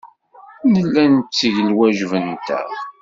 Nella netteg lwajeb-nteɣ.